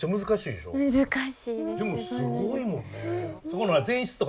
でもすごいもんね。